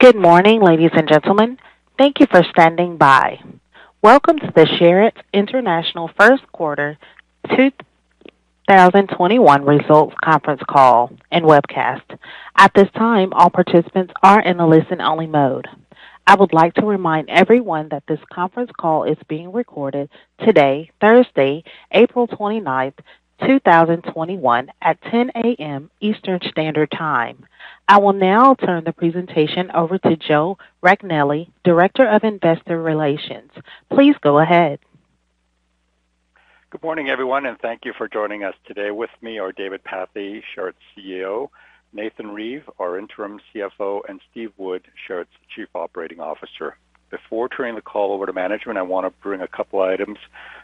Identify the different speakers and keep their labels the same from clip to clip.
Speaker 1: Good morning, ladies and gentlemen. Thank you for standing by. Welcome to the Sherritt International First Quarter 2021 Results Conference Call and Webcast. At this time, all participants are in a listen-only mode. I would like to remind everyone that this conference call is being recorded today, Thursday, April 29th, 2021, at 10:00 A.M. Eastern Standard Time. I will now turn the presentation over to Joe Racanelli, Director of Investor Relations. Please go ahead.
Speaker 2: Good morning, everyone, and thank you for joining us today. With me are David Pathe, Sherritt's CEO, Nathan Reeve, our Interim CFO, and Steve Wood, Sherritt's Chief Operating Officer. Before turning the call over to management, I want to bring a couple items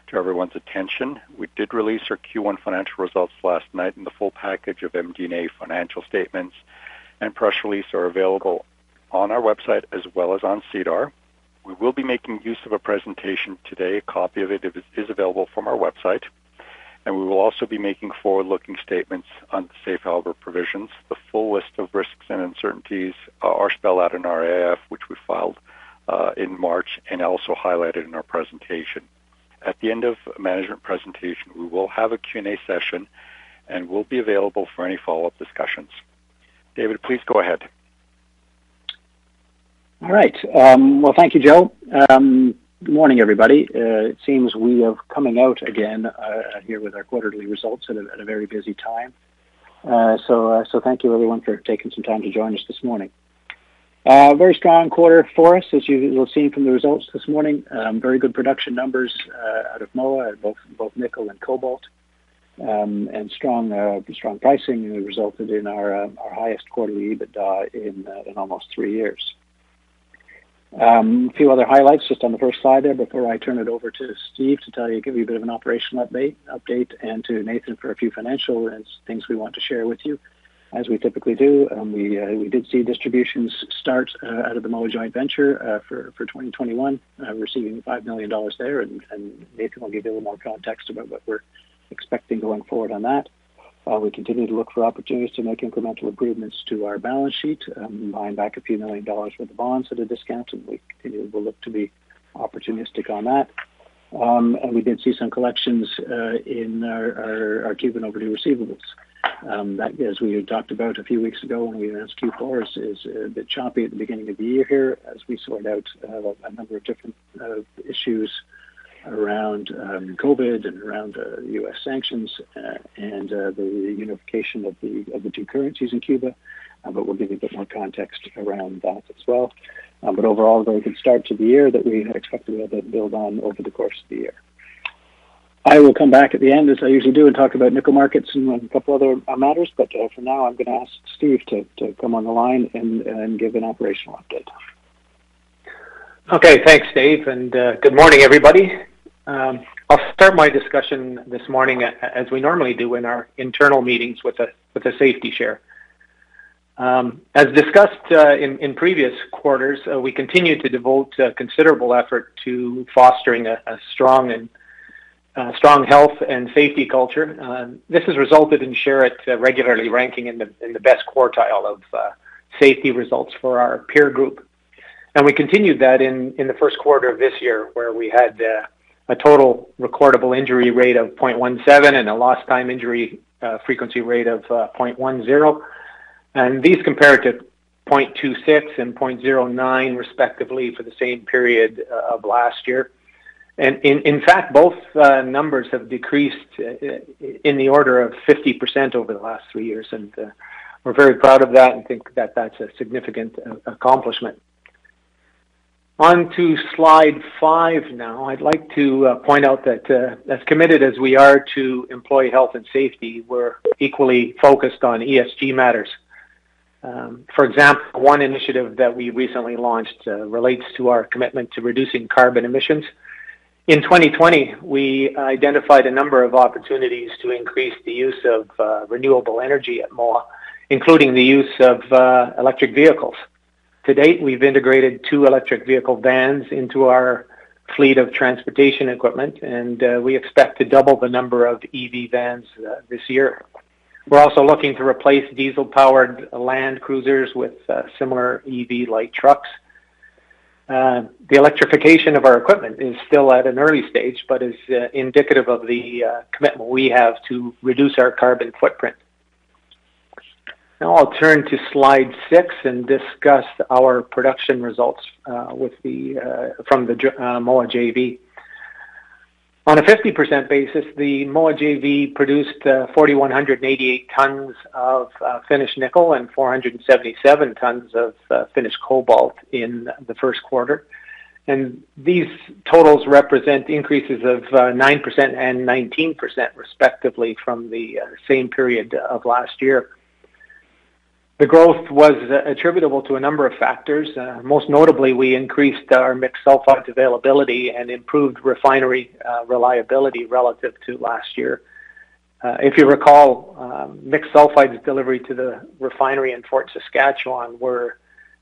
Speaker 2: to everyone's attention. We did release our Q1 financial results last night. The full package of MD&A financial statements and press release are available on our website as well as on SEDAR. We will be making use of a presentation today. A copy of it is available from our website. We will also be making forward-looking statements under the safe harbor provisions. The full list of risks and uncertainties are spell out in our AIF, which we filed, in March and also highlighted in our presentation. At the end of management presentation, we will have a Q&A session and will be available for any follow-up discussions. David, please go ahead.
Speaker 3: All right. Well, thank you, Joe. Good morning, everybody. It seems we are coming out again, here with our quarterly results at a very busy time. Thank you, everyone, for taking some time to join us this morning. A very strong quarter for us, as you will see from the results this morning. Very good production numbers, out of Moa at both nickel and cobalt, and strong pricing resulted in our highest quarterly EBITDA in almost three years. A few other highlights just on the first slide there before I turn it over to Steve to give you a bit of an operational update and to Nathan for a few financial things we want to share with you. As we typically do, we did see distributions start out of the Moa Joint Venture, for 2021, receiving CAD 5 million there. Nathan will give you a little more context about what we're expecting going forward on that. While we continue to look for opportunities to make incremental improvements to our balance sheet, buying back a few million dollars' worth of bonds at a discount. We will look to be opportunistic on that. We did see some collections in our Cuban overdue receivables. That, as we had talked about a few weeks ago when we announced Q4, is a bit choppy at the beginning of the year here as we sort out a number of different issues around COVID and around U.S. sanctions and the unification of the two currencies in Cuba. We'll give you a bit more context around that as well. Overall, a very good start to the year that we had expected to be able to build on over the course of the year. I will come back at the end, as I usually do, and talk about nickel markets and a couple other matters, but for now, I'm going to ask Steve to come on the line and give an operational update.
Speaker 4: Okay. Thanks, Dave, good morning, everybody. I'll start my discussion this morning, as we normally do in our internal meetings, with the safety share. As discussed in previous quarters, we continue to devote considerable effort to fostering a strong health and safety culture. This has resulted in Sherritt regularly ranking in the best quartile of safety results for our peer group. We continued that in the first quarter of this year, where we had a total recordable injury rate of 0.17 and a lost time injury frequency rate of 0.10. These compare to 0.26 and 0.09 respectively for the same period of last year. In fact, both numbers have decreased in the order of 50% over the last three years, and we're very proud of that and think that that's a significant accomplishment. On to slide five now. I'd like to point out that as committed as we are to employee health and safety, we're equally focused on ESG matters. For example, one initiative that we recently launched relates to our commitment to reducing carbon emissions. In 2020, we identified a number of opportunities to increase the use of renewable energy at Moa, including the use of electric vehicles. To date, we've integrated two electric vehicle vans into our fleet of transportation equipment, and we expect to double the number of EV vans this year. We're also looking to replace diesel-powered Land Cruiser with similar EV light trucks. The electrification of our equipment is still at an early stage but is indicative of the commitment we have to reduce our carbon footprint. I'll turn to slide six and discuss our production results from the Moa JV. On a 50% basis, the Moa JV produced 4,188 tons of finished nickel and 477 tons of finished cobalt in the first quarter. These totals represent increases of 9% and 19% respectively from the same period of last year. The growth was attributable to a number of factors. Most notably, we increased our mixed sulfides availability and improved refinery reliability relative to last year. If you recall, mixed sulfides delivery to the refinery in Fort Saskatchewan were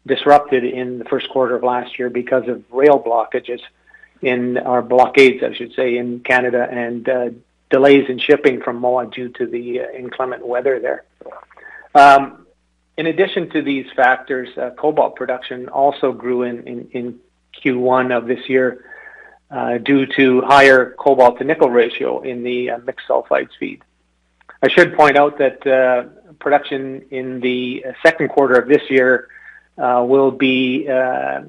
Speaker 4: disrupted in the first quarter of last year because of rail blockages, or blockades I should say, in Canada, and delays in shipping from Moa due to the inclement weather there. In addition to these factors, cobalt production also grew in Q1 of this year due to higher cobalt to nickel ratio in the mixed sulfides feed. I should point out that production in the second quarter of this year will be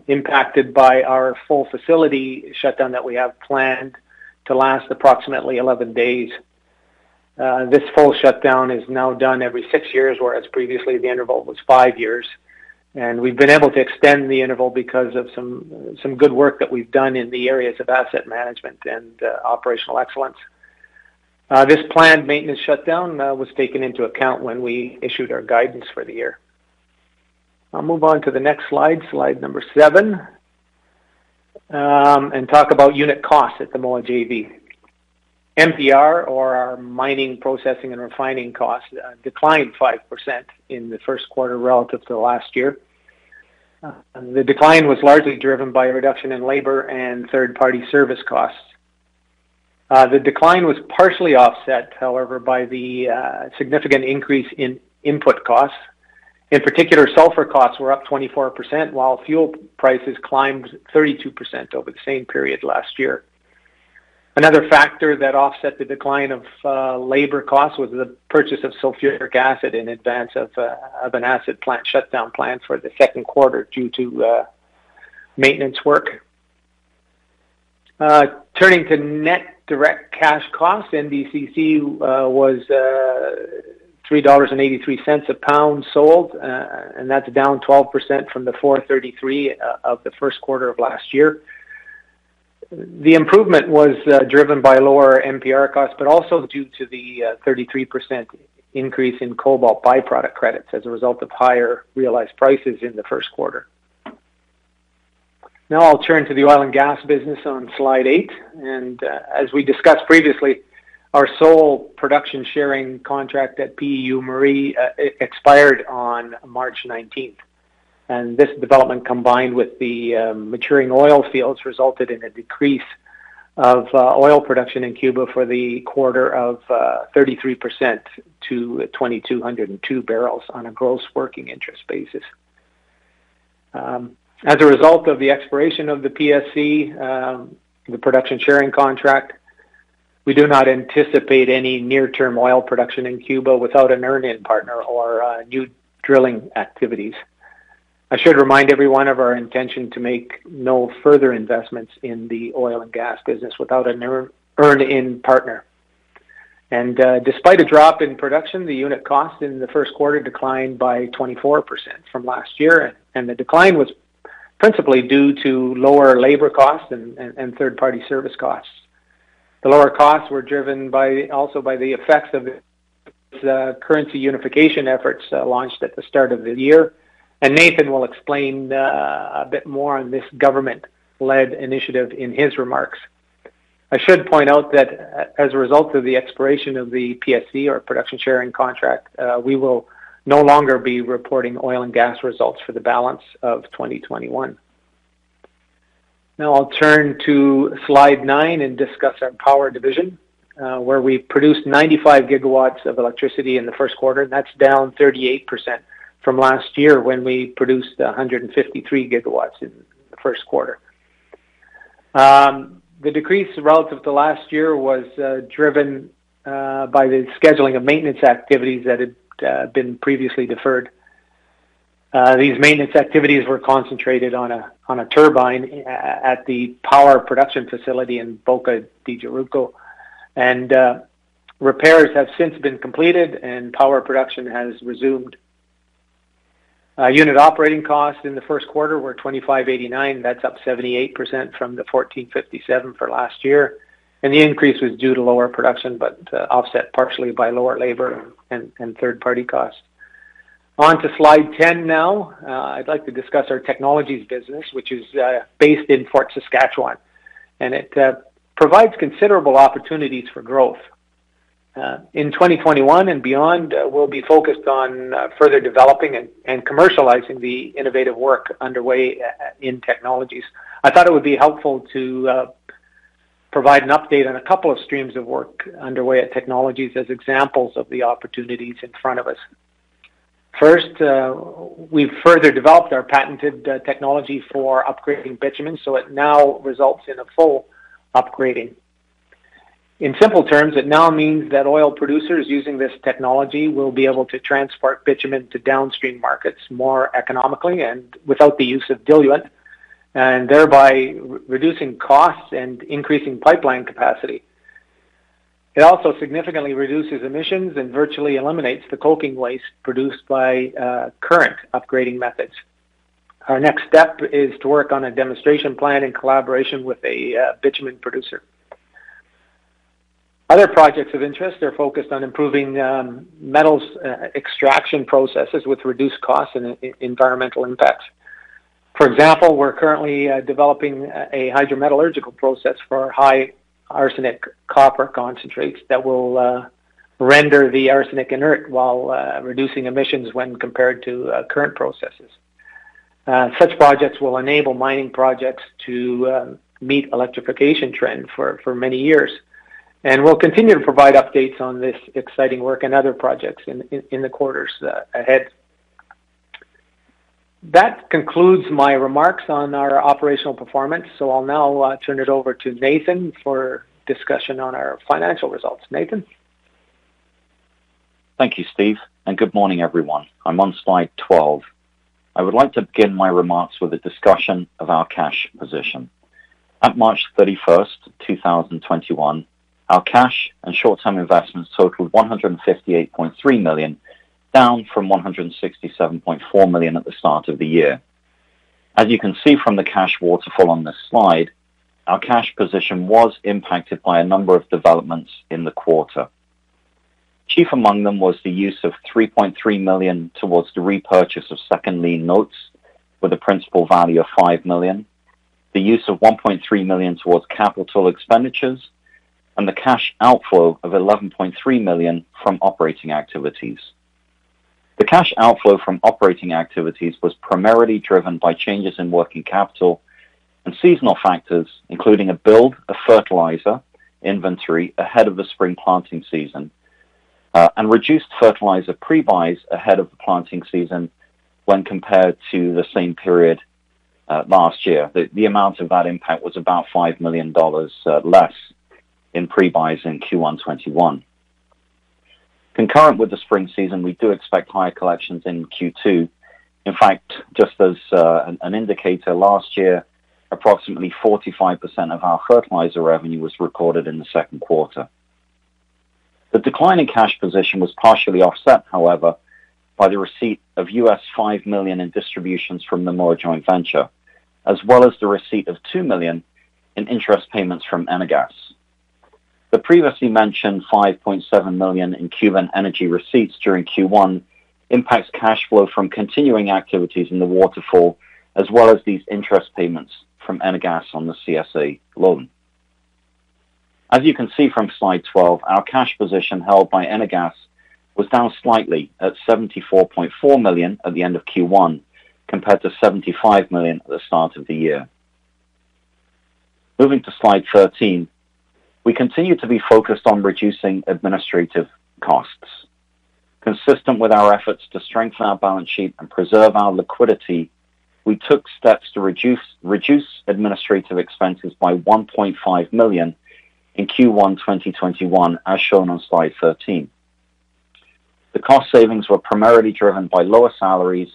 Speaker 4: impacted by our full facility shutdown that we have planned to last approximately 11 days. This full shutdown is now done every six years, whereas previously the interval was five years. We've been able to extend the interval because of some good work that we've done in the areas of asset management and operational excellence. This planned maintenance shutdown was taken into account when we issued our guidance for the year. I'll move on to the next slide number seven, and talk about unit costs at the Moa JV. MPR or our mining processing and refining costs declined 5% in the first quarter relative to last year. The decline was largely driven by a reduction in labor and third-party service costs. The decline was partially offset, however, by the significant increase in input costs. In particular, sulfur costs were up 24%, while fuel prices climbed 32% over the same period last year. Another factor that offset the decline of labor costs was the purchase of sulfuric acid in advance of an acid plant shutdown planned for the second quarter due to maintenance work. Turning to net direct cash costs, NDCC was 3.83 dollars a pound sold, and that's down 12% from the 4.33 of the first quarter of last year. The improvement was driven by lower MPR costs, but also due to the 33% increase in cobalt byproduct credits as a result of higher realized prices in the first quarter. Now I'll turn to the oil and gas business on slide eight. As we discussed previously, our sole production sharing contract at Puerto Escondido expired on March 19th. This development, combined with the maturing oil fields, resulted in a decrease of oil production in Cuba for the quarter of 33% to 2,202 barrels on a gross working interest basis. As a result of the expiration of the PSC, the production sharing contract, we do not anticipate any near-term oil production in Cuba without an earn-in partner or new drilling activities. I should remind everyone of our intention to make no further investments in the oil and gas business without an earn-in partner. Despite a drop in production, the unit cost in the first quarter declined by 24% from last year, and the decline was principally due to lower labor costs and third-party service costs. The lower costs were driven also by the effects of the currency unification efforts launched at the start of the year. Nathan will explain a bit more on this government-led initiative in his remarks. I should point out that as a result of the expiration of the PSC or production sharing contract, we will no longer be reporting oil and gas results for the balance of 2021. I'll turn to slide nine and discuss our power division, where we produced 95 GW of electricity in the first quarter. That is down 38% from last year when we produced 153 GW in the first quarter. The decrease relative to last year was driven by the scheduling of maintenance activities that had been previously deferred. These maintenance activities were concentrated on a turbine at the power production facility in Boca de Jaruco, and repairs have since been completed and power production has resumed. Unit operating costs in the first quarter were 25.89. That's up 78% from the 14.57 for last year. The increase was due to lower production, but offset partially by lower labor and third-party costs. On to slide 10 now. I'd like to discuss our Technologies business, which is based in Fort Saskatchewan. It provides considerable opportunities for growth. In 2021 and beyond, we'll be focused on further developing and commercializing the innovative work underway in Technologies. I thought it would be helpful to provide an update on a couple of streams of work underway at Technologies as examples of the opportunities in front of us. First, we've further developed our patented technology for upgrading bitumen. It now results in a full upgrading. In simple terms, it now means that oil producers using this technology will be able to transport bitumen to downstream markets more economically and without the use of diluent, and thereby reducing costs and increasing pipeline capacity. It also significantly reduces emissions and virtually eliminates the coking waste produced by current upgrading methods. Our next step is to work on a demonstration plan in collaboration with a bitumen producer. Other projects of interest are focused on improving metals extraction processes with reduced costs and environmental impacts. For example, we're currently developing a hydrometallurgical process for high arsenic copper concentrates that will render the arsenic inert while reducing emissions when compared to current processes. Such projects will enable mining projects to meet electrification trend for many years. We'll continue to provide updates on this exciting work and other projects in the quarters ahead. That concludes my remarks on our operational performance. I'll now turn it over to Nathan for discussion on our financial results. Nathan?
Speaker 5: Thank you, Steve, good morning, everyone. I'm on slide 12. I would like to begin my remarks with a discussion of our cash position. At March 31st, 2021, our cash and short-term investments totaled 158.3 million, down from 167.4 million at the start of the year. As you can see from the cash waterfall on this slide, our cash position was impacted by a number of developments in the quarter. Chief among them was the use of 3.3 million towards the repurchase of second lien notes with a principal value of 5 million, the use of 1.3 million towards capital expenditures, and the cash outflow of 11.3 million from operating activities. The cash outflow from operating activities was primarily driven by changes in working capital and seasonal factors, including a build of fertilizer inventory ahead of the spring planting season, and reduced fertilizer pre-buys ahead of the planting season when compared to the same period last year. The amount of that impact was about 5 million dollars less in pre-buys in Q1 2021. Concurrent with the spring season, we do expect higher collections in Q2. In fact, just as an indicator, last year, approximately 45% of our fertilizer revenue was recorded in the second quarter. The decline in cash position was partially offset, however, by the receipt of $5 million in distributions from the Moa Joint Venture, as well as the receipt of 2 million in interest payments from Energas. The previously mentioned 5.7 million in Cuban energy receipts during Q1 impacts cash flow from continuing activities in the waterfall, as well as these interest payments from Energas on the CSA loan. As you can see from slide 12, our cash position held by Energas was down slightly at 74.4 million at the end of Q1, compared to 75 million at the start of the year. Moving to slide 13, we continue to be focused on reducing administrative costs. Consistent with our efforts to strengthen our balance sheet and preserve our liquidity, we took steps to reduce administrative expenses by 1.5 million in Q1 2021, as shown on slide 13. The cost savings were primarily driven by lower salaries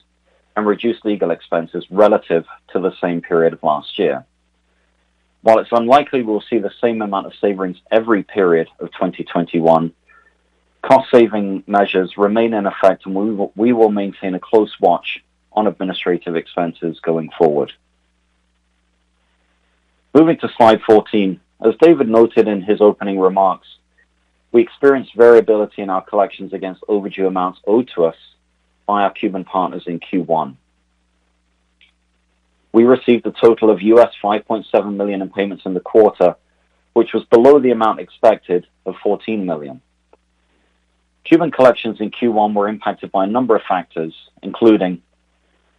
Speaker 5: and reduced legal expenses relative to the same period of last year. While it's unlikely, we'll see the same amount of savings every period of 2021, cost-saving measures remain in effect, and we will maintain a close watch on administrative expenses going forward. Moving to slide 14. As David noted in his opening remarks, we experienced variability in our collections against overdue amounts owed to us by our Cuban partners in Q1. We received a total of $5.7 million in payments in the quarter, which was below the amount expected of $14 million. Cuban collections in Q1 were impacted by a number of factors, including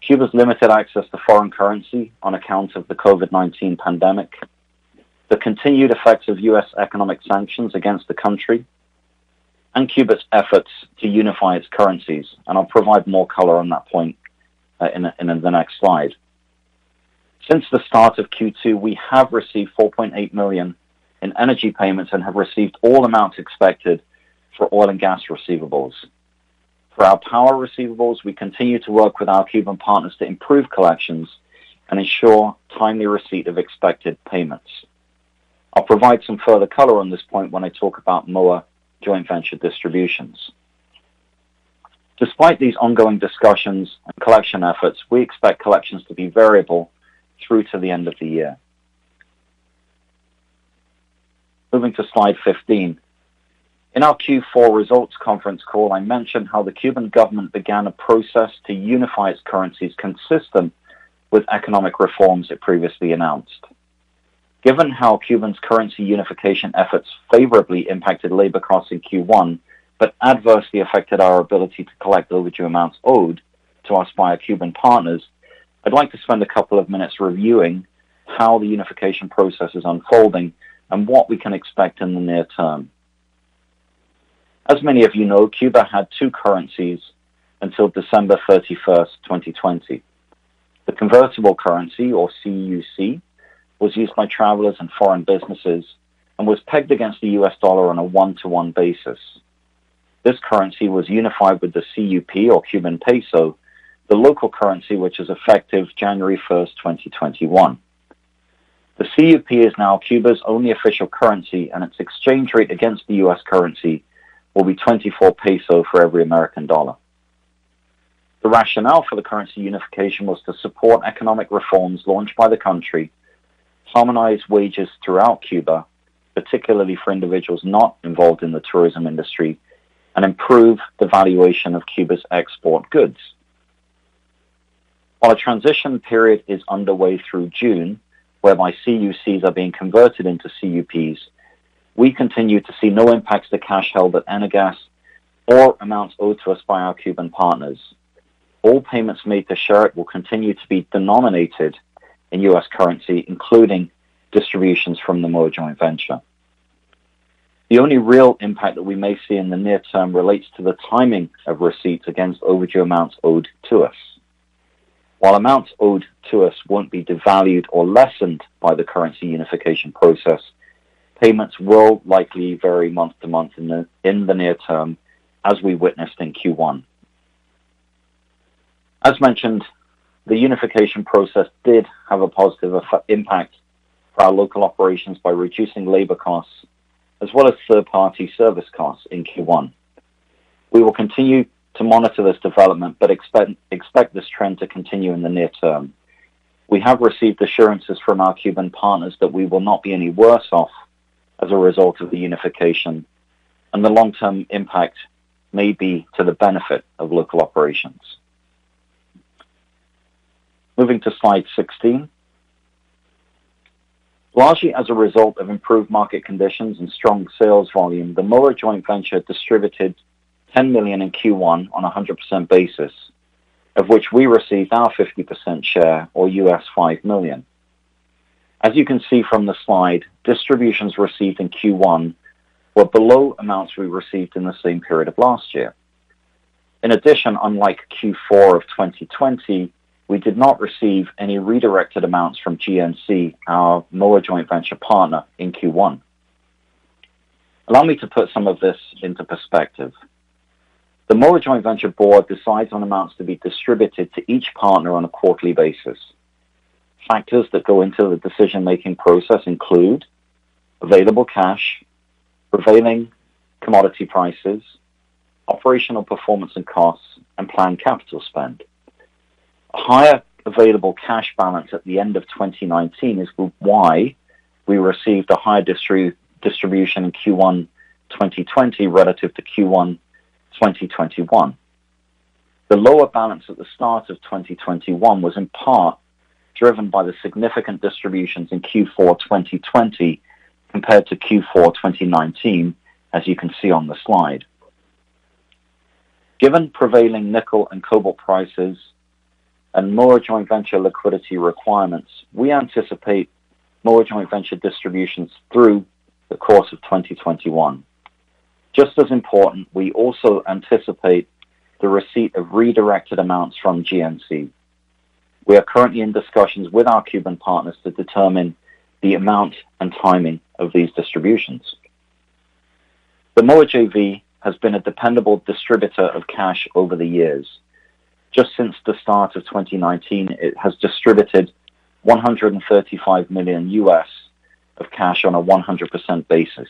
Speaker 5: Cuba's limited access to foreign currency on account of the COVID-19 pandemic, the continued effects of U.S. economic sanctions against the country, and Cuba's efforts to unify its currencies. I'll provide more color on that point in the next slide. Since the start of Q2, we have received 4.8 million in energy payments and have received all amounts expected for oil and gas receivables. For our power receivables, we continue to work with our Cuban partners to improve collections and ensure timely receipt of expected payments. I'll provide some further color on this point when I talk about Moa Joint Venture distributions. Despite these ongoing discussions and collection efforts, we expect collections to be variable through to the end of the year. Moving to slide 15. In our Q4 results conference call, I mentioned how the Cuban government began a process to unify its currencies consistent with economic reforms it previously announced. Given how Cuba's currency unification efforts favorably impacted labor costs in Q1 but adversely affected our ability to collect overdue amounts owed to us by our Cuban partners, I'd like to spend a couple of minutes reviewing how the unification process is unfolding and what we can expect in the near term. As many of you know, Cuba had two currencies until December 31st, 2020. The convertible currency or CUC was used by travelers and foreign businesses and was pegged against the U.S. dollar on a one-to-one basis. This currency was unified with the CUP or Cuban peso, the local currency, which is effective January 1st, 2021. The CUP is now Cuba's only official currency, and its exchange rate against the U.S. currency will be CUP 24 for every American dollar. The rationale for the currency unification was to support economic reforms launched by the country, harmonize wages throughout Cuba, particularly for individuals not involved in the tourism industry, and improve the valuation of Cuba's export goods. Our transition period is underway through June, whereby CUCs are being converted into CUPs. We continue to see no impacts to cash held at Energas or amounts owed to us by our Cuban partners. All payments made to Sherritt will continue to be denominated in U.S. currency, including distributions from the Moa Joint Venture. The only real impact that we may see in the near term relates to the timing of receipts against overdue amounts owed to us. While amounts owed to us won't be devalued or lessened by the currency unification process, payments will likely vary month to month in the near term, as we witnessed in Q1. As mentioned, the unification process did have a positive impact for our local operations by reducing labor costs as well as third-party service costs in Q1. We will continue to monitor this development but expect this trend to continue in the near term. We have received assurances from our Cuban partners that we will not be any worse off as a result of the unification, and the long-term impact may be to the benefit of local operations. Moving to slide 16. Largely as a result of improved market conditions and strong sales volume, the Moa Joint Venture distributed $10 million in Q1 on 100% basis, of which we received our 50% share or $5 million. As you can see from the slide, distributions received in Q1 were below amounts we received in the same period of last year. In addition, unlike Q4 of 2020, we did not receive any redirected amounts from GNC, our Moa Joint Venture partner, in Q1. Allow me to put some of this into perspective. The Moa Joint Venture Board decides on amounts to be distributed to each partner on a quarterly basis. Factors that go into the decision-making process include available cash, prevailing commodity prices, operational performance and costs, and planned capital spend. A higher available cash balance at the end of 2019 is why we received a higher distribution in Q1 2020 relative to Q1 2021. The lower balance at the start of 2021 was in part driven by the significant distributions in Q4 2020 compared to Q4 2019, as you can see on the slide. Given prevailing nickel and cobalt prices and Moa Joint Venture liquidity requirements, we anticipate Moa Joint Venture distributions through the course of 2021. Just as important, we also anticipate the receipt of redirected amounts from GNC. We are currently in discussions with our Cuban partners to determine the amount and timing of these distributions. The Moa JV has been a dependable distributor of cash over the years. Just since the start of 2019, it has distributed $135 million of cash on a 100% basis.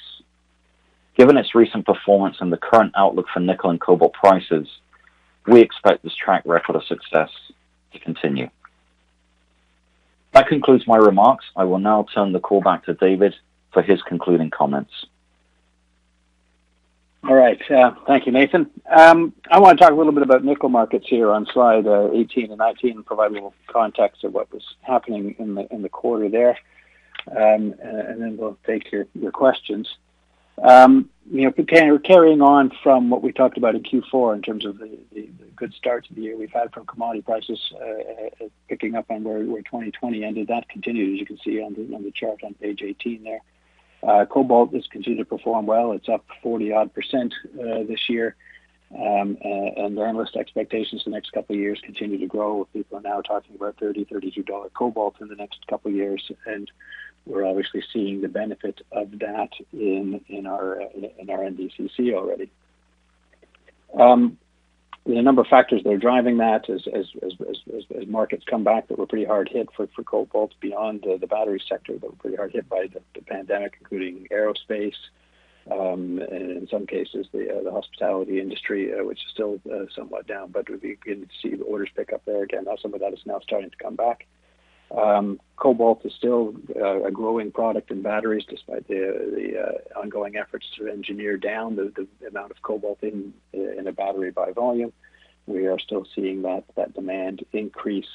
Speaker 5: Given its recent performance and the current outlook for nickel and cobalt prices, we expect this track record of success to continue. That concludes my remarks. I will now turn the call back to David for his concluding comments.
Speaker 3: All right. Thank you, Nathan. I want to talk a little bit about nickel markets here on slide 18 and 19, provide a little context of what was happening in the quarter there, and then we'll take your questions. Carrying on from what we talked about in Q4 in terms of the good start to the year we've had from commodity prices picking up on where 2020 ended, that continued, as you can see on the chart on page 18 there. cobalt has continued to perform well. It's up 40-odd percent this year. The analyst expectations the next couple of years continue to grow, with people now talking about 30 dollar, CAD 32 cobalt in the next couple of years. We're obviously seeing the benefit of that in our NDCC already. There are a number of factors that are driving that as markets come back that were pretty hard hit for cobalt beyond the battery sector that were pretty hard hit by the pandemic, including aerospace, in some cases, the hospitality industry, which is still somewhat down, but we're beginning to see the orders pick up there again. Some of that is now starting to come back. Cobalt is still a growing product in batteries, despite the ongoing efforts to engineer down the amount of cobalt in a battery by volume. We are still seeing that demand increase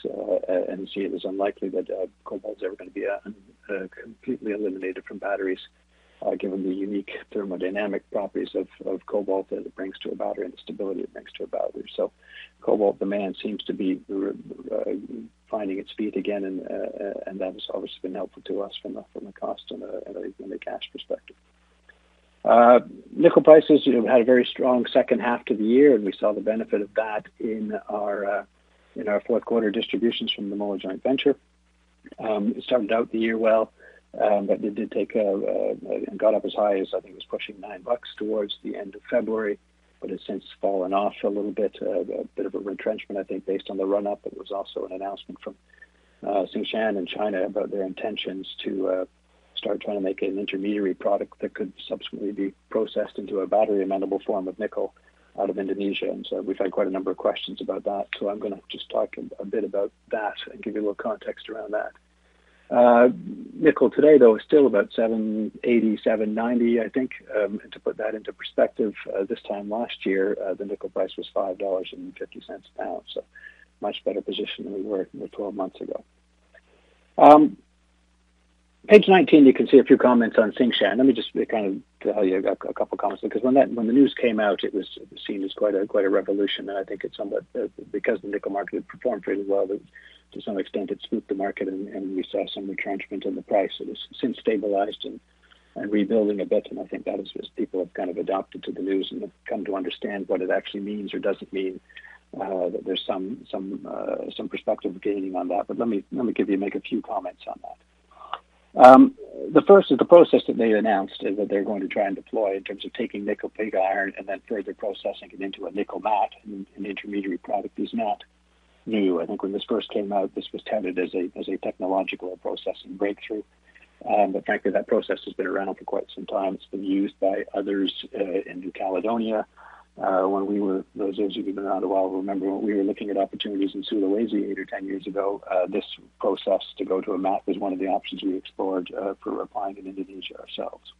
Speaker 3: and see it as unlikely that cobalt is ever going to be completely eliminated from batteries, given the unique thermodynamic properties of cobalt that it brings to a battery and the stability it brings to a battery. Cobalt demand seems to be finding its feet again, and that has obviously been helpful to us from a cost and a cash perspective. Nickel prices had a very strong second half to the year, and we saw the benefit of that in our fourth quarter distributions from the Moa Joint Venture. It started out the year well, but it got up as high as I think it was pushing 9 bucks towards the end of February but has since fallen off a little bit. A bit of a retrenchment, I think, based on the run-up. There was also an announcement from Tsingshan in China about their intentions to start trying to make an intermediary product that could subsequently be processed into a battery-amenable form of nickel out of Indonesia. We've had quite a number of questions about that. I'm going to just talk a bit about that and give you a little context around that. Nickel today, though, is still about 7.80, 7.90, I think. To put that into perspective, this time last year, the nickel price was 5.50 dollars a pound. Much better position than we were 12 months ago. Page 19, you can see a few comments on Tsingshan. Let me just tell you a couple comments, because when the news came out, it was seen as quite a revolution, and I think it's somewhat because the nickel market had performed really well, that to some extent, it spooked the market, and we saw some retrenchment in the price that has since stabilized and rebuilding a bit. I think that is just people have adopted to the news and have come to understand what it actually means or doesn't mean, that there's some perspective gaining on that. Let me make a few comments on that. The first is the process that they announced is that they're going to try and deploy in terms of taking nickel pig iron and then further processing it into a nickel matte, an intermediary product is not new. I think when this first came out, this was touted as a technological processing breakthrough. In fact, that process has been around for quite some time. It's been used by others in New Caledonia. Those of you who've been around a while will remember when we were looking at opportunities in Sulawesi eight or 10 years ago, this process to go to a matte was one of the options we explored for refining in Indonesia ourselves.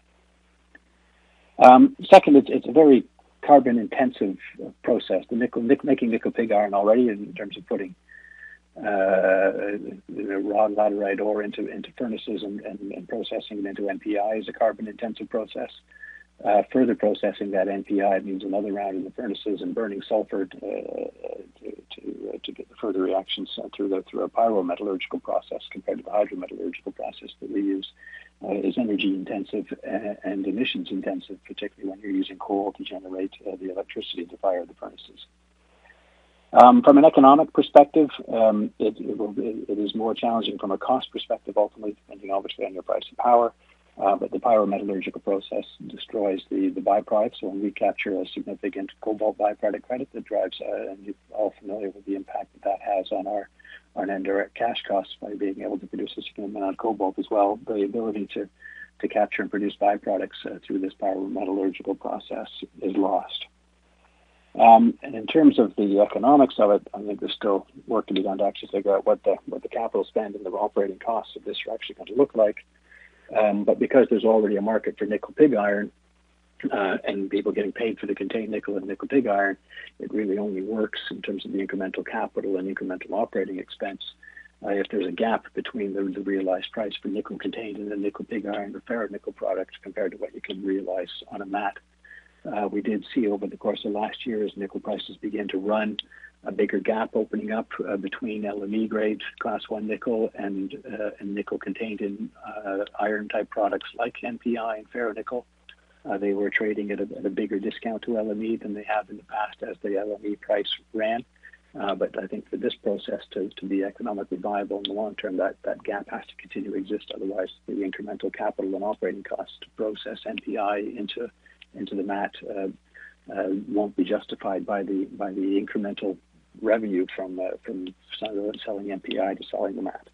Speaker 3: Second, it's a very carbon-intensive process. Making nickel pig iron already in terms of putting raw laterite ore into furnaces and then processing them into NPI is a carbon-intensive process. Further processing that NPI means another round in the furnaces and burning sulfur to get the further reactions through a pyrometallurgical process compared to the hydrometallurgical process that we use is energy intensive and emissions intensive, particularly when you're using coal to generate the electricity to fire the furnaces. From an economic perspective, it is more challenging from a cost perspective, ultimately, depending obviously on your price of power, but the pyrometallurgical process destroys the by-products. When we capture a significant cobalt by-product credit that drives, and you're all familiar with the impact that has on our indirect cash costs by being able to produce a certain amount of cobalt as well. The ability to capture and produce by-products through this hydrometallurgical process is lost. In terms of the economics of it, I think there is still work to be done to actually figure out what the capital spends and the operating costs of this are actually going to look like. Because there is already a market for nickel pig iron, and people getting paid for the contained nickel and nickel pig iron, it really only works in terms of the incremental capital and incremental operating expense if there is a gap between the realized price for nickel contained in the nickel pig iron or ferronickel products compared to what you can realize on a matte. We did see over the course of last year as nickel prices began to run a bigger gap opening up between LME grade Class 1 nickel and nickel contained in iron-type products like NPI and ferronickel. They were trading at a bigger discount to LME than they have in the past as the LME price ran. I think for this process to be economically viable in the long term, that gap has to continue to exist. Otherwise, the incremental capital and operating cost to process NPI into the matte won't be justified by the incremental revenue from selling NPI to selling the matte.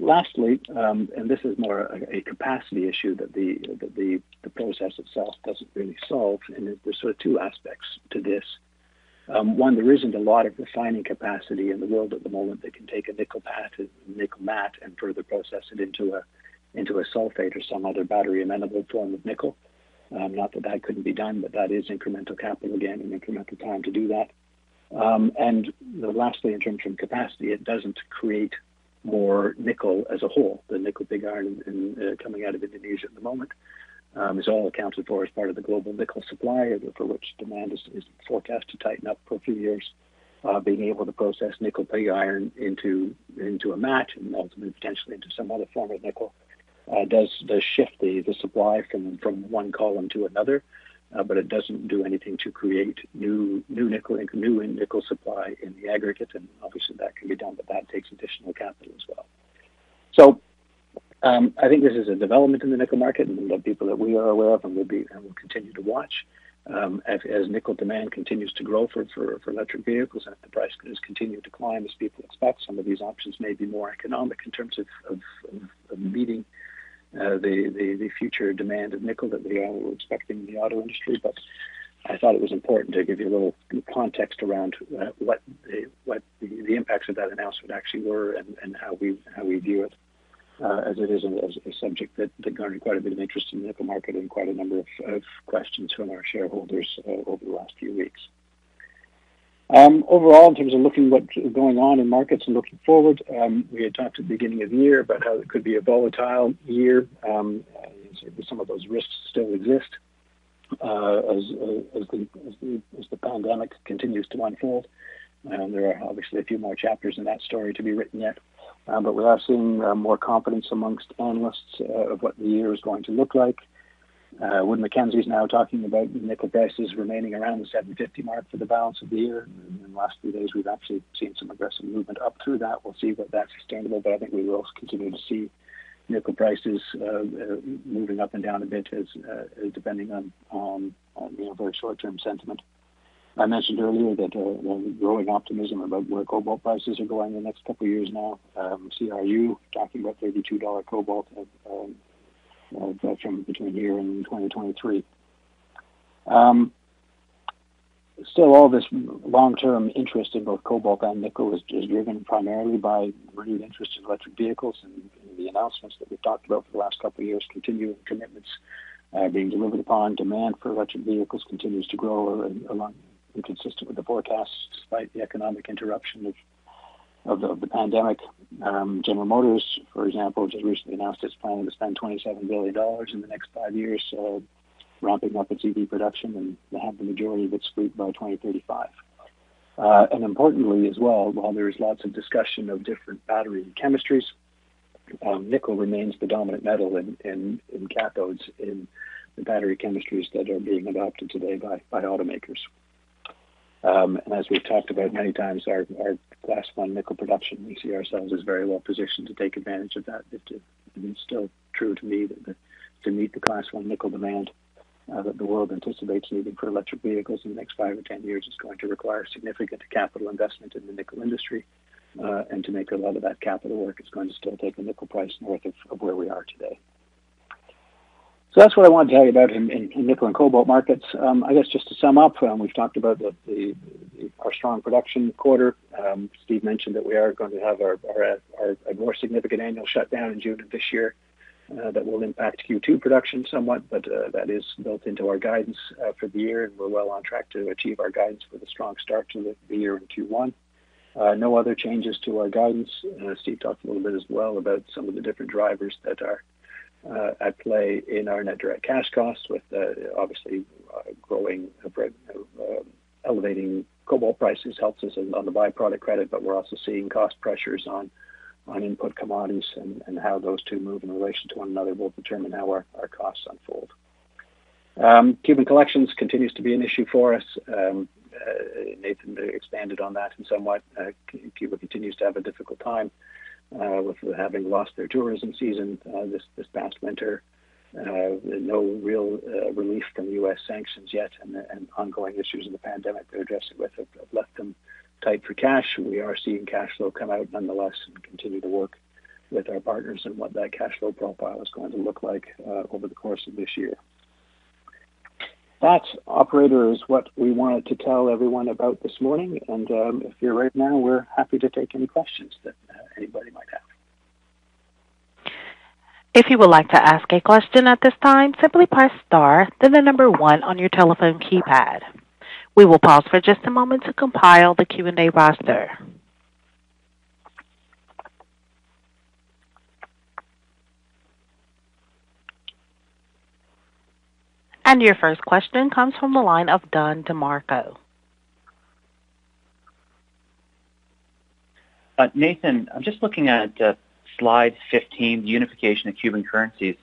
Speaker 3: Lastly, this is more a capacity issue that the process itself doesn't really solve, and there's sort of two aspects to this. One, there isn't a lot of refining capacity in the world at the moment that can take a nickel matte and further process it into a sulfate or some other battery-amenable form of nickel. Not that that couldn't be done, but that is incremental capital, again, and incremental time to do that. Lastly, in terms of capacity, it doesn't create more nickel as a whole. The nickel pig iron coming out of Indonesia at the moment is all accounted for as part of the global nickel supply for which demand is forecast to tighten up for a few years. Being able to process nickel pig iron into a matte and ultimately, potentially into some other form of nickel does shift the supply from one column to another, but it doesn't do anything to create new nickel supply in the aggregate, and obviously that can be done, but that takes additional capital as well. I think this is a development in the nickel market, and there are people that we are aware of and will continue to watch. As nickel demand continues to grow for electric vehicles and the price has continued to climb as people expect, some of these options may be more economic in terms of meeting the future demand of nickel that we all were expecting in the auto industry. I thought it was important to give you a little context around what the impacts of that announcement actually were and how we view it, as it is a subject that garnered quite a bit of interest in the nickel market and quite a number of questions from our shareholders over the last few weeks. Overall, in terms of looking at what is going on in markets and looking forward, we had talked at the beginning of the year about how it could be a volatile year. Some of those risks still exist as the pandemic continues to unfold. There are obviously a few more chapters in that story to be written yet. We are seeing more confidence amongst analysts of what the year is going to look like. Wood Mackenzie is now talking about nickel prices remaining around the 7.50 mark for the balance of the year. In the last few days, we've actually seen some aggressive movement up through that. We'll see whether that's sustainable. I think we will continue to see nickel prices moving up and down a bit depending on very short-term sentiment. I mentioned earlier that there's growing optimism about where cobalt prices are going in the next couple of years now. CRU talking about 32 dollar cobalt between here and 2023. All this long-term interest in both cobalt and nickel is driven primarily by renewed interest in electric vehicles and the announcements that we've talked about for the last couple of years, continued commitments being delivered upon, demand for electric vehicles continues to grow in consistent with the forecasts despite the economic interruption of the pandemic. General Motors, for example, just recently announced its planning to spend 27 billion dollars in the next five years. Ramping up its EV production and have the majority of its fleet by 2035. Importantly as well, while there is lots of discussion of different battery chemistries, nickel remains the dominant metal in cathodes in the battery chemistries that are being adopted today by automakers. As we've talked about many times, our Class 1 nickel production, we see ourselves as very well positioned to take advantage of that. It's still true to me that to meet the Class 1 nickel demand that the world anticipates needing for electric vehicles in the next five or 10 years is going to require significant capital investment in the nickel industry. To make a lot of that capital work, it's going to still take a nickel price north of where we are today. That's what I wanted to tell you about in nickel and cobalt markets. I guess just to sum up, we've talked about our strong production quarter. Steve mentioned that we are going to have a more significant annual shutdown in June of this year that will impact Q2 production somewhat, but that is built into our guidance for the year, and we're well on track to achieve our guidance with a strong start to the year in Q1. No other changes to our guidance. Steve talked a little bit as well about some of the different drivers that are at play in our net direct cash costs with obviously elevating cobalt prices helps us on the byproduct credit, but we're also seeing cost pressures on input commodities, and how those two move in relation to one another will determine how our costs unfold. Cuban collections continues to be an issue for us. Nathan expanded on that somewhat. Cuba continues to have a difficult time with having lost their tourism season this past winter. No real relief from the U.S. sanctions yet, and ongoing issues of the pandemic to address it with have left them tight for cash. We are seeing cash flow come out nonetheless and continue to work with our partners on what that cash flow profile is going to look like over the course of this year. That, operator, is what we wanted to tell everyone about this morning. If you're right now, we're happy to take any questions that anybody might have.
Speaker 1: If you would like to ask a question at this time, simply press star, then the number one on your telephone keypad. We will pause for just a moment to compile the Q&A roster. And your first question comes from the line of Don DeMarco.
Speaker 6: Nathan, I'm just looking at slide 15, the unification of Cuban currencies,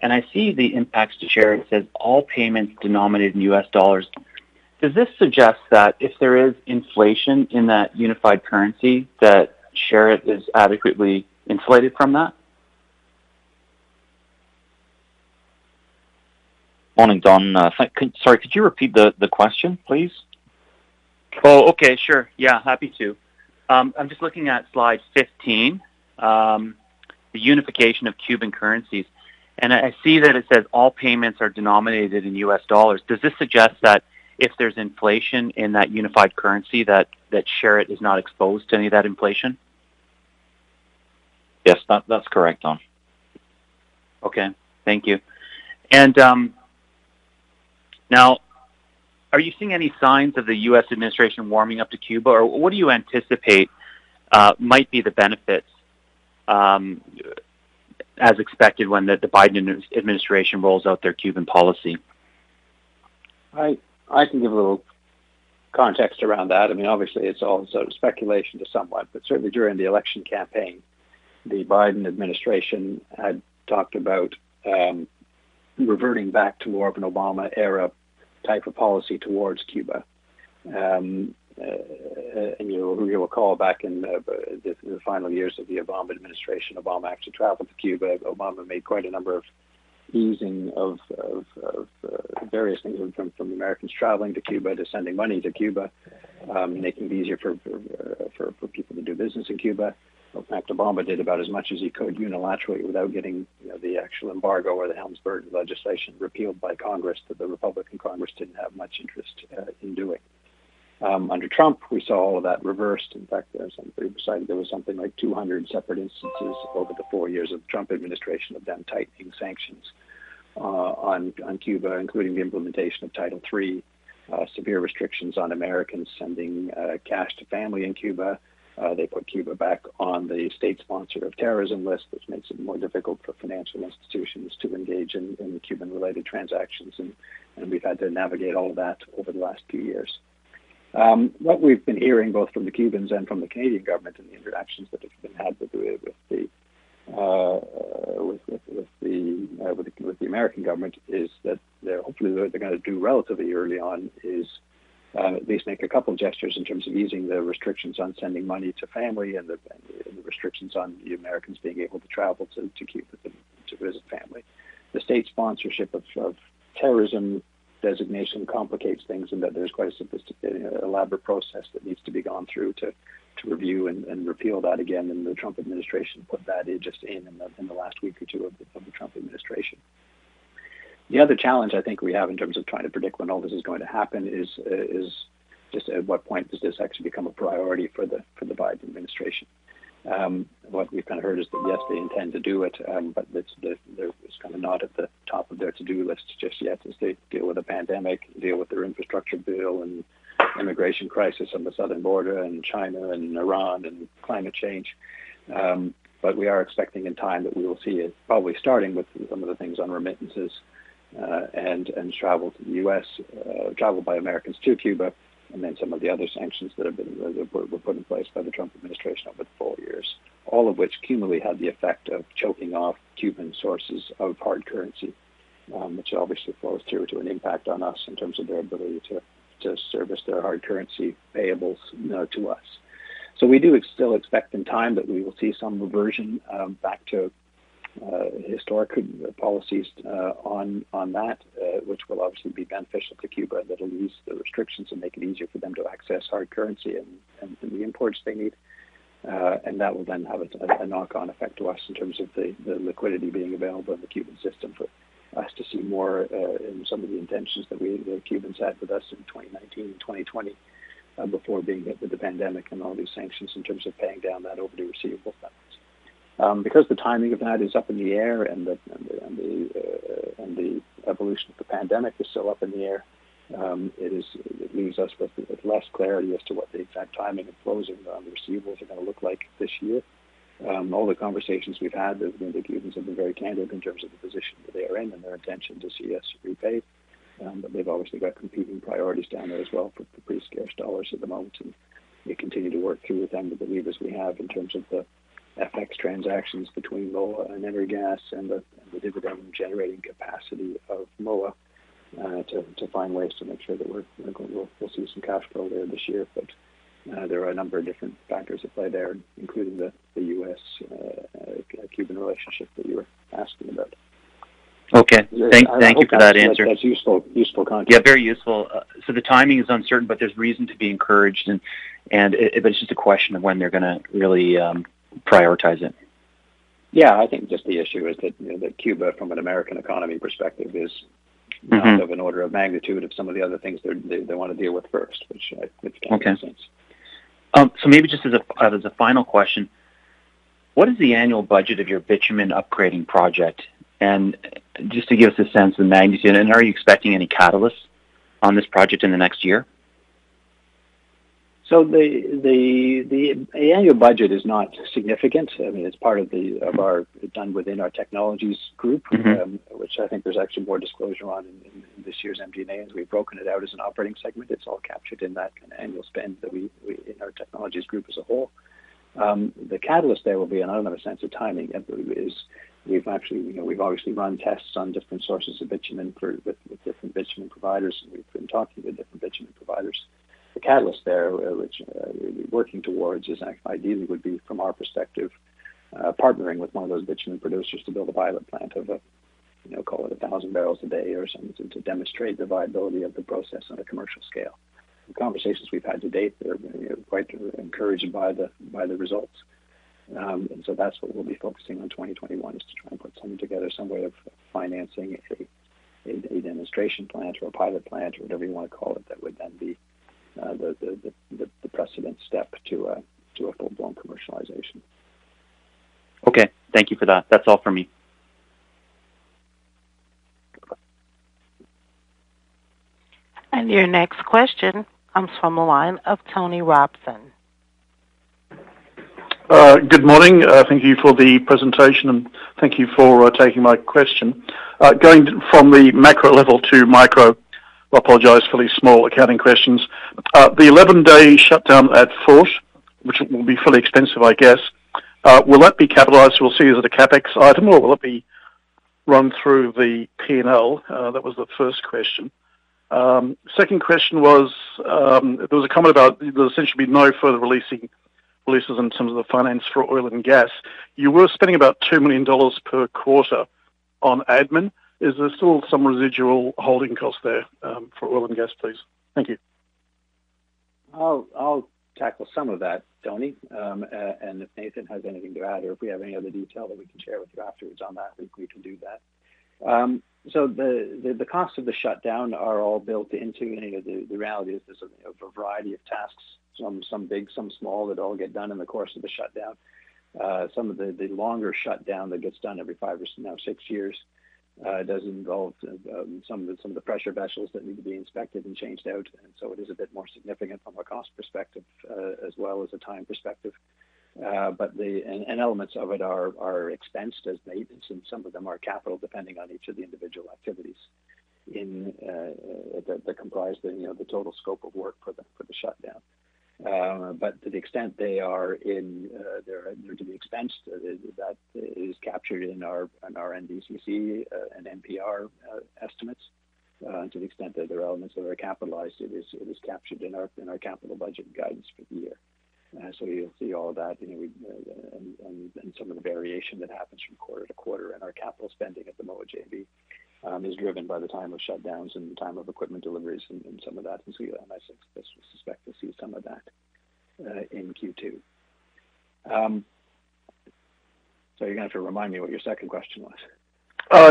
Speaker 6: and I see the impacts to Sherritt. It says all payments denominated in U.S. dollars. Does this suggest that if there is inflation in that unified currency, that Sherritt is adequately insulated from that?
Speaker 5: Morning, Don. Sorry, could you repeat the question, please?
Speaker 6: Oh, okay. Sure. Yeah, happy to. I'm just looking at slide 15, the unification of Cuban currencies. I see that it says all payments are denominated in US dollars. Does this suggest that if there's inflation in that unified currency, that Sherritt is not exposed to any of that inflation?
Speaker 5: Yes, that's correct, Don.
Speaker 6: Okay. Thank you. Now, are you seeing any signs of the U.S. administration warming up to Cuba, or what do you anticipate might be the benefits as expected when the Biden administration rolls out their Cuban policy?
Speaker 3: I can give a little context around that. Obviously, it's all sort of speculation to somewhat, but certainly during the election campaign, the Biden administration had talked about reverting back to more of an Obama-era type of policy towards Cuba. You'll recall back in the final years of the Obama administration, Obama actually traveled to Cuba. Obama made quite a number of easing of various things from Americans traveling to Cuba to sending money to Cuba, making it easier for people to do business in Cuba. In fact, Obama did about as much as he could unilaterally without getting the actual embargo or the Helms-Burton Act repealed by Congress that the Republican Congress didn't have much interest in doing. Under Trump, we saw all of that reversed. In fact, as I previously cited, there was something like 200 separate instances over the four years of the Trump administration of them tightening sanctions on Cuba, including the implementation of Title III, severe restrictions on Americans sending cash to family in Cuba. They put Cuba back on the State Sponsor of Terrorism List, which makes it more difficult for financial institutions to engage in Cuban-related transactions. We've had to navigate all of that over the last few years. What we've been hearing both from the Cubans and from the Canadian government in the interactions that they've been having with the American government is that hopefully what they're going to do relatively early on is at least make a couple gestures in terms of easing the restrictions on sending money to family and the restrictions on the Americans being able to travel to Cuba to visit family. The state sponsorship of terrorism designation complicates things in that there's quite an elaborate process that needs to be gone through to review and repeal that again, and the Trump administration put that just in the last week or two of the Trump administration. The other challenge I think we have in terms of trying to predict when all this is going to happen is just at what point does this actually become a priority for the Biden administration? What we've heard is that yes, they intend to do it, but it's not at the top of their to-do list just yet as they deal with the pandemic, deal with their infrastructure bill, and immigration crisis on the southern border, and China and Iran and climate change. We are expecting in time that we will see it probably starting with some of the things on remittances, and travel to the U.S., travel by Americans to Cuba, and then some of the other sanctions that were put in place by the Trump administration over the four years. All of which cumulatively had the effect of choking off Cuban sources of hard currency, which obviously flows through to an impact on us in terms of their ability to service their hard currency payables to us. We do still expect in time that we will see some reversion, back to historic policies on that, which will obviously be beneficial to Cuba. That'll ease the restrictions and make it easier for them to access hard currency and the imports they need. That will then have a knock-on effect to us in terms of the liquidity being available in the Cuban system for us to see more in some of the intentions that the Cubans had with us in 2019 and 2020, before being hit with the pandemic and all these sanctions in terms of paying down that overdue receivable balance. The timing of that is up in the air and the evolution of the pandemic is still up in the air; it leaves us with less clarity as to what the exact timing of closing the receivables are going to look like this year. All the conversations we've had, the Cubans have been very candid in terms of the position that they are in and their intention to see us repaid. They've obviously got competing priorities down there as well for pretty scarce dollars at the moment, and we continue to work through with them the levers we have in terms of the FX transactions between Moa and Energas and the dividend-generating capacity of Moa, to find ways to make sure that we'll see some cashflow there this year. There are a number of different factors at play there, including the U.S.-Cuban relationship that you were asking about.
Speaker 6: Okay. Thank you for that answer.
Speaker 3: I hope that's useful context.
Speaker 6: Yeah, very useful. The timing is uncertain, but there's reason to be encouraged, but it's just a question of when they're going to really prioritize it.
Speaker 3: Yeah, I think just the issue is that Cuba, from an American economy perspective, is-
Speaker 6: Hmm.
Speaker 3: Not of an order of magnitude of some of the other things they want to deal with first, which makes sense.
Speaker 6: Okay. Maybe just as a final question, what is the annual budget of your bitumen upgrading project? Just to give us a sense of the magnitude, and are you expecting any catalysts on this project in the next year?
Speaker 3: The annual budget is not significant. It's part of done within our technologies group.
Speaker 6: Hmm.
Speaker 3: which I think there's actually more disclosure on in this year's MD&A, as we've broken it out as an operating segment. It's all captured in that annual spend in our technologies group as a whole. The catalyst there will be, and I don't have a sense of timing, we've obviously run tests on different sources of bitumen with different bitumen providers, and we've been talking with different bitumen providers. The catalyst there, which we're working towards is ideally would be, from our perspective, partnering with one of those bitumen producers to build a pilot plant of, call it 1,000 barrels a day or something to demonstrate the viability of the process on a commercial scale. The conversations we've had to date, we're quite encouraged by the results. That's what we'll be focusing on in 2021, is to try and put something together, some way of financing a demonstration plant or a pilot plant or whatever you want to call it, that would then be the precedent step to a full-blown commercialization.
Speaker 6: Okay. Thank you for that. That's all for me.
Speaker 1: Your next question comes from the line of Tony Robson.
Speaker 7: Good morning. Thank you for the presentation. Thank you for taking my question. Going from the macro level to micro, I apologize for these small accounting questions. The 11-day shutdown at, which will be fully expensed, I guess, will that be capitalized? We will see as a CapEx item, or will it be run through the P&L? That was the first question. Second question was there'll essentially be no further leases in terms of the finance for oil and gas. You were spending about 2 million dollars per quarter on admin. Is there still some residual holding cost there for oil and gas, please? Thank you.
Speaker 3: I'll tackle some of that, Tony. If Nathan has anything to add, or if we have any other detail that we can share with you afterwards on that, we can do that. So, the cause of the shutdown are all built in the reality is there's a variety of tasks, some big, some small, that all get done in the course of the shutdown. Some of the longer shutdown that gets done every five or now six years, does involve some of the pressure vessels that need to be inspected and changed out. It is a bit more significant from a cost perspective, as well as a time perspective. Elements of it are expensed as maintenance, and some of them are capital, depending on each of the individual activities that comprise the total scope of work for the shutdown. To the extent they are to be expensed, that is captured in our NDCC and MPR estimates. To the extent that there are elements that are capitalized, it is captured in our capital budget guidance for the year. You'll see all that, and some of the variation that happens from quarter to quarter in our capital spending at the Moa JV is driven by the time of shutdowns and time of equipment deliveries and some of that [in Venezuela], and I suspect we'll see some of that in Q2. You're going to have to remind me what your second question was.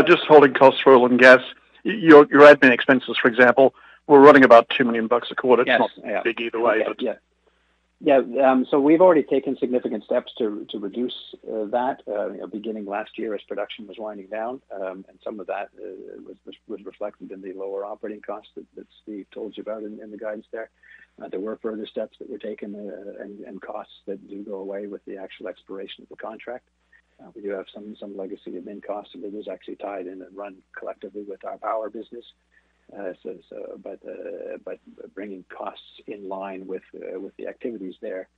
Speaker 7: Just holding costs for oil and gas. Your admin expenses, for example, were running about 2 million bucks a quarter.
Speaker 3: Yes.
Speaker 7: It's not big either way.
Speaker 3: We've already taken significant steps to reduce that beginning last year as production was winding down. Some of that was reflected in the lower operating costs that Steve told you about in the guidance there. There were further steps that were taken and costs that do go away with the actual expiration of the contract. We do have some legacy admin costs, some of it is actually tied in and run collectively with our power business. Bringing costs in line with the activities there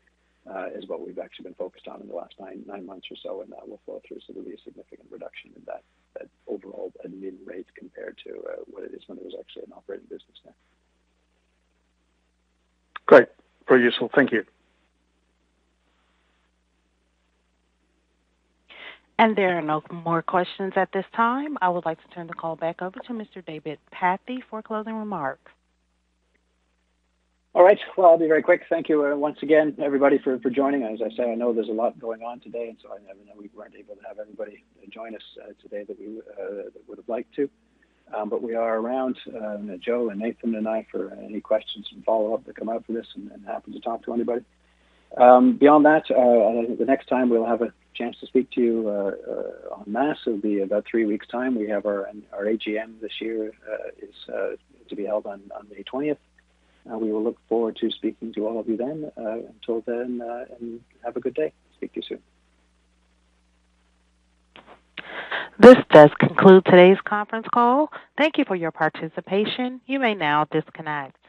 Speaker 3: is what we've actually been focused on in the last nine months or so, and that will flow through. There'll be a significant reduction in that overall admin rate compared to what it is when it was actually an operating business there.
Speaker 7: Great. Very useful. Thank you.
Speaker 1: There are no more questions at this time. I would like to turn the call back over to Mr. David Pathe for closing remarks.
Speaker 3: All right. Well, I'll be very quick. Thank you once again, everybody, for joining. As I say, I know there's a lot going on today, and so I know we weren't able to have everybody join us today that we would have liked to. We are around, Joe and Nathan and I, for any questions and follow-up that come out from this and happy to talk to anybody. Beyond that the next time we'll have a chance to speak to you en masse will be about three weeks' time. We have our AGM this year, is to be held on May 20th. We will look forward to speaking to all of you then. Until then, have a good day. Speak to you soon.
Speaker 1: This does conclude today's conference call. Thank you for your participation. You may now disconnect.